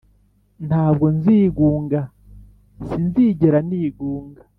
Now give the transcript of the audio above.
Ntabwo nzigunga, Sinzigera nigunga,